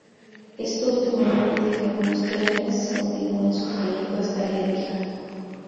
Eso último no impide que algunos trenes continúen su trayecto hasta Lebrija.